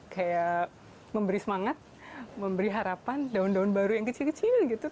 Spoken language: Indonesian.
kayak memberi semangat memberi harapan daun daun baru yang kecil kecil gitu